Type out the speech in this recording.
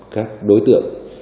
các đối tượng